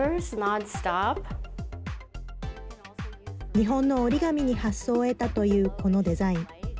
日本の折り紙に発想を得たというこのデザイン。